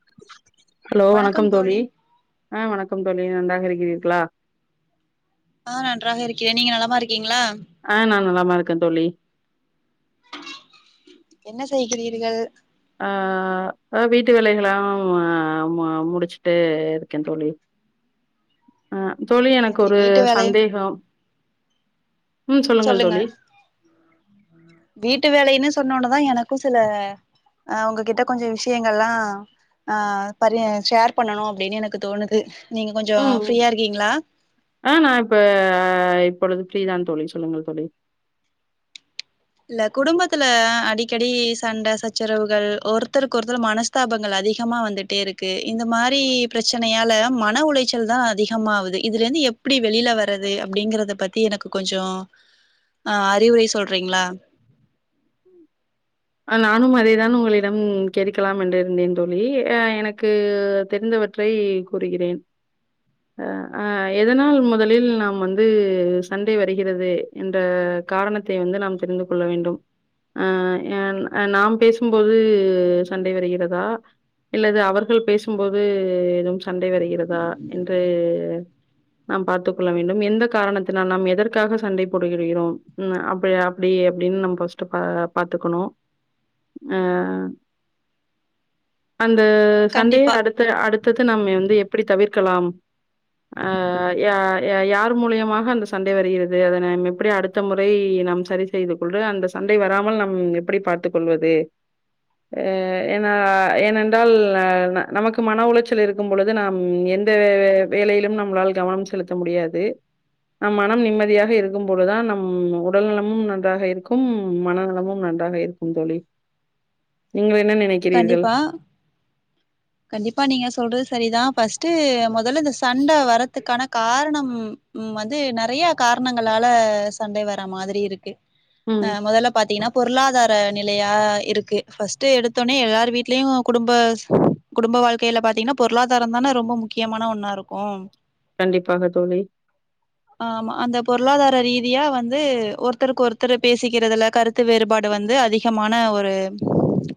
[inaudible] Hello வணக்கம் தோழி ஆ வணக்கம் தோழி நீங்க நன்றாக இருக்கிறீர்களா ஆ நன்றாக இருக்கிறேன் நீங்க நலமாக இருக்கீங்களா ஆ நா நலமா இருக்கேன் தோழி என்ன செய்கிறீர்கள் ஆ ஆ வீட்டு வேலைகளாம் முடிச்சுட்டு இருக்கேன் தோழி ஆ தோழி எனக்கு சரி ஒரு சந்தேகம் ம் உம் சொல்லுங்கள் சொல்லுங்க தோழி வீட்டு வேலைன்னு சொன்னோனதா எனக்கும் சில ஹ உங்ககிட்ட கொஞ்சோ விஷயங்கள்லா ஆ பரி ஷேர் பண்ணணும் அப்டின்னு எனக்கு தோணுது நீங்க கொஞ்சோ உம் ஃப்ரீயா இருக்கீங்களா ஆ நா இப்ப இப்பொழுது ஃப்ரீ தா தோழி சொல்லுங்கள் தோழி இல்ல குடும்பத்துல அடிக்கடி சண்ட சச்சரவுகள் ஒருத்தருக்கு ஒருத்தர் மனஸ்தாபங்கள் அதிகமா வந்துட்டே இருக்கு இந்த மாரி பிரச்சனையால மன உளைச்சல் தா அதிகமாவுது இதுல இருந்து எப்டி வெளில வரது அப்டிங்கிறத பத்தி எனக்கு கொஞ்சோ அ அறிவுரை சொல்றீங்ளா நானும் அதேதா உங்களிடம் கேட்கலாம் என்று இருந்தேன் தோழி அ எனக்கு தெரிந்தவற்றை கூறுகிறேன் அ அ எதனால் முதலில் நாம் வந்து சண்டை வருகிறது என்ற காரணத்தை வந்து நாம் தெரிந்து கொள்ள வேண்டும் அ நாம் பேசும்போது சண்டை வருகிறதா இல்லது அவர்கள் பேசும்போது எதும் சண்டை வருகிறதா என்று நாம் பார்த்துக் கொள்ள வேண்டும் எந்த காரணத்தினால் நாம் எதற்காக சண்டை போடுகிடுகிறோம் அ அப்டி அப்டின்னு நம்ம ஃபஸ்ட் பாத்துக்கணு அ அந்த சண்டய கண்டிப்பா அடுத்த அடுத்தது நம்ம வந்து எப்டி தவிர்க க்கலாம் ஆ யார் மூலியமாக அந்த சண்டை வருகிறது அதனை எப்படி அடுத்த முறை நாம் சரி செய்து கொள் அந்த சண்டை வராமல் நம் எப்படி பார்த்துக் கொள்வது ஆ ஏனென்றால் ஆ நமக்கு மன உளைச்சல் இருக்கும் பொழுது நாம் எந்த வேலையிலும் நம்மளால் கவனம் செலுத்த முடியாது நம் மனம் நிம்மதியாக இருக்கும்பொழுதா நம் உடல் நலமும் நன்றாக இருக்கும் மனநலமும் நன்றாக இருக்கும் தோழி நீங்க கண்டிப்பா கண்டிப்பா நீங்க சொல்றது சரிதா பஸ்ட் மொதல்ல இந்த சண்ட வரத்துக்கான காரணம் வந்து நெறயா காரணங்களால சண்ட வர மாதிரி இருக்கு அ ம். மொதல்ல பாத்தீங்கனா பொருளாதார நிலையா இருக்கு ஃபஸ்ட்டு எடுத்து எடுத்த ஒனே எல்லார் வீடலயு குடும்ப குடும்ப வாழ்க்கையில பாத்தீங்கனா பொருளாதாரம் தான ரொம்ப முக்கியமான ஒன்னா இருக்கு கண்டிப்பாக தோழி ஆமா அந்த பொருளாதார ரீதியா வந்து ஒருத்தருக்கு ஒருத்தர் பேசிக்கிறதுல கருத்து வேறுபாடு வந்து அதிகமான ஒரு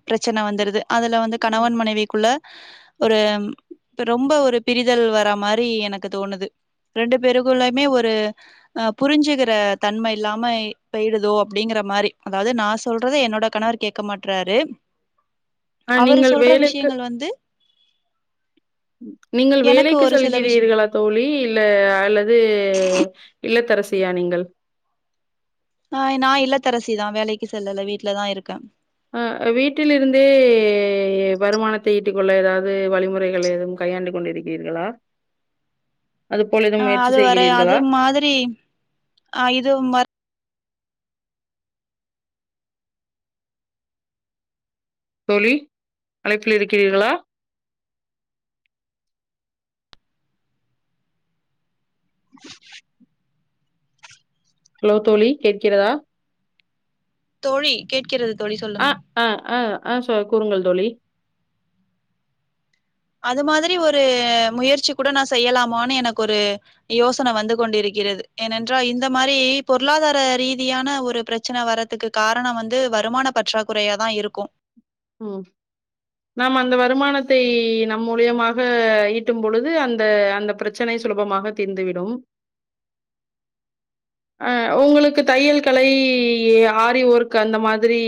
பிரச்சன வந்துருது அதுல வந்து ம். கணவன் மனைவிக்குள்ள ஒரு ரொம்ப ஒரு பிரிதல் வர மாரி எனக்கு தோணுது ரெண்டு பேருகுலயுமே ஒரு அ புரிஞ்சுகிற தன்ம இல்லாம போயிரூதோ அப்டிங்கிற மாரி அதாவது நா சொல்றத என்னோட கணவர் கேட்க மாட்றாரு அ அவரு நீங்கள் சொல்ற வேலைக்கு விஷயங்கள் வந்து நீங்கள் எனக்கு வேலைக்கு ஒரு சில விஷ் செல்கிறீர்களா தோழி இல்ல அல்லது இல்லதரசி ஃப்ரீயா நீங்கள் ஆ நா இல்லத்தரசிதா வேலைக்கு செல்லல வீட்லதா இருக்கே அ வீட்டில இருந்தே வருமானத்தை ஈட்டி கொள்ள எதாவது வழிமுறைகள் எதுவும் கையாண்டு கொண்டிருக்கிறீர்களா அதுபோல எதுவும் அ முயற்சி அது வர அது செய்கிறீர்களா? மாதிரி அ இதும் வர தோழி அழைப்பில் இருக்கிறீர்களா [inaudible] ஹலோ தோழி கேட்கிறதா தோழி கேட்கிறது தோழி அ சொல்லுங்க ஆ ஆ ஆ சொ கூறுங்கள் தோழி அது மாதிரி ஒரு முயற்சி கூட நா செய்யலாமான்னு எனக்கு ஒரு யோசன வந்து கொண்டிருக்கிறது ஏனென்றா இந்த மாரி பொருளாதார ரீதியான ஒரு பிரச்சன வர்றதுக்கு காரணோ வந்து வருமான பற்றாக்குறையாதா இருக்கு ம் நாம் அந்த வருமானத்தை நம் மூலியமாக ஈட்டும் பொழுது அந்த அந்த பிரச்சனை சுலபமாக தீர்ந்துவிடும் ஆ உங்களுக்கு தையல் கலை ஆரி ஒர்க் அந்த மாதிரி